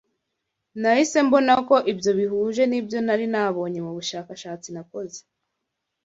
Nahise mbona ko ibyo bihuje n’ibyo nari narabonye mu bushakashatsi nakoze